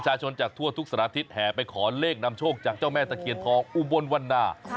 ชนจากทั่วทุกสารทิศแห่ไปขอเลขนำโชคจากเจ้าแม่ตะเคียนทองอุบลวันนา